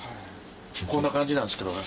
こんな感じなんですけどね。